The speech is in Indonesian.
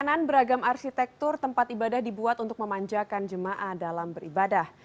perjalanan beragam arsitektur tempat ibadah dibuat untuk memanjakan jemaah dalam beribadah